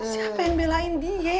siapa yang belain dia